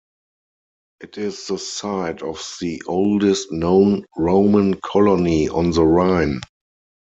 It is the site of the oldest known Roman colony on the Rhine.